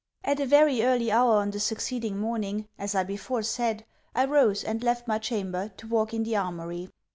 At a very early hour on the succeeding morning, as I before said, I rose and left my chamber, to walk in the Armoury.